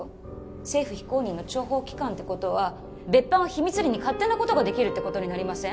政府非公認の諜報機関ってことは別班は秘密裏に勝手なことができるってことになりません？